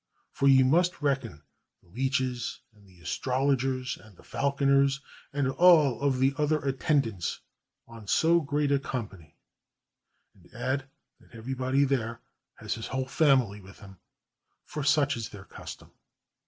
For you must reckon the leeches and the astrologers and the falconers and all the other attendants on so great a com pany; and add that everybody there has his whole fam ily with him, for such is their custom.